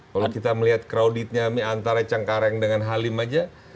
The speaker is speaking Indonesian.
kalau kita melihat crowd nya antara cangkareng dengan halim saja